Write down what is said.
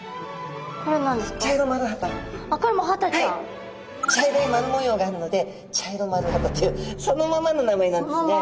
茶色い丸模様があるのでチャイロマルハタというそのままの名前なんですね。